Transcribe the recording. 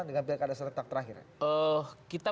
dengan pilkada seretak terakhir kita